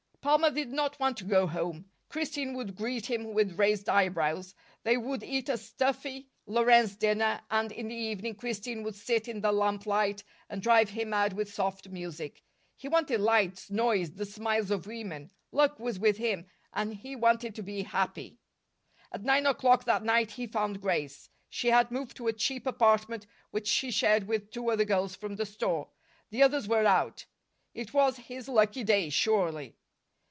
Palmer did not want to go home. Christine would greet him with raised eyebrows. They would eat a stuffy Lorenz dinner, and in the evening Christine would sit in the lamplight and drive him mad with soft music. He wanted lights, noise, the smiles of women. Luck was with him, and he wanted to be happy. At nine o'clock that night he found Grace. She had moved to a cheap apartment which she shared with two other girls from the store. The others were out. It was his lucky day, surely.